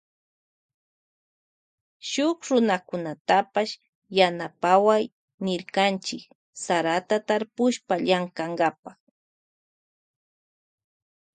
Shuk runakunatapash yanapaway nirkanchi sarata tarpushpa llankankapa.